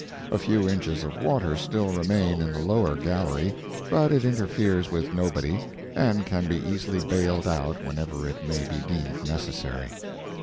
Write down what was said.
A few inches of water still remain in the lower gallery, but it interferes with nobody, and can be easily bailed out whenever it may be deemed necessary.